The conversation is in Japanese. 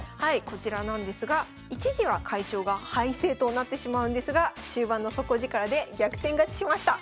こちらなんですが一時は会長が敗勢となってしまうんですが終盤の底力で逆転勝ちしました。